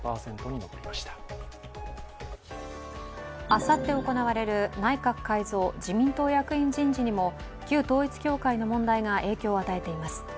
あさって行われる内閣改造・自民党役員人事にも旧統一教会の問題が影響を与えています。